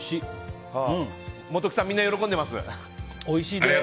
おいしい。